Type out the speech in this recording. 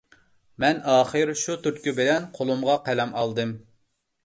مەن ئاخىر شۇ تۈرتكە بىلەن قولۇمغا قەلەم ئالدىم.